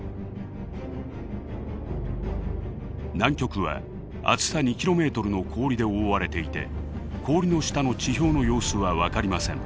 南極は厚さ２キロメートルの氷で覆われていて氷の下の地表の様子は分かりません。